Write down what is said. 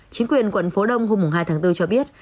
chính quyền quận phú đông hôm hai tháng bốn cho biết